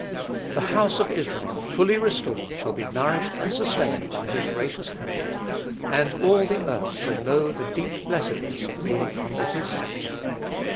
The house of Israel, fully restored, shall be nourished and sustained by his gracious hand; and all the earth shall know the deep blessedness of being under his sceptre.